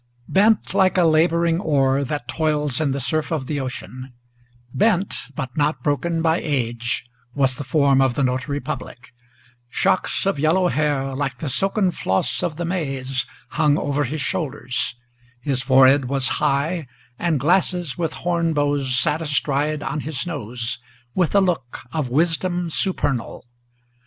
III. BENT like a laboring oar, that toils in the surf of the ocean, Bent, but not broken, by age was the form of the notary public; Shocks of yellow hair, like the silken floss of the maize, hung Over his shoulders; his forehead was high; and glasses with horn bows Sat astride on his nose, with a look of wisdom supernal.